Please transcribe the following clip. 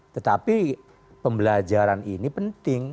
tetapi pembelajaran ini penting